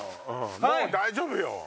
もう大丈夫よ。